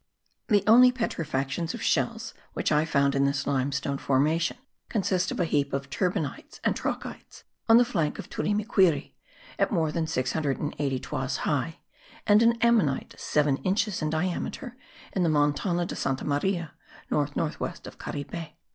The only petrifactions of shells which I found in this limestone formation consist of a heap of turbinites and trochites, on the flank of Turimiquiri, at more than 680 toises high, and an ammonite seven inches in diameter, in the Montana de Santa Maria, north north west of Caripe.